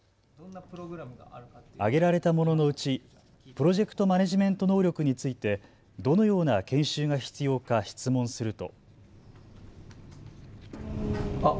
挙げられたもののうちプロジェクトマネジメント能力についてどのような研修が必要か質問すると。